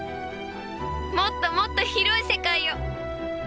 もっともっと広い世界を。